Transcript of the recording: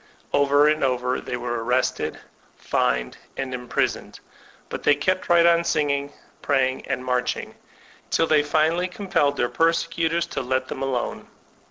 Over and over they were arrested, fined, and imprisoned; but they kept right on tioging, praying, and marching, till they finally com pelled their persecutors to let them alone.